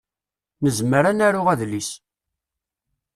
Nezmer ad naru adlis.